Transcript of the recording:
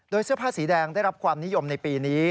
เสื้อผ้าสีแดงได้รับความนิยมในปีนี้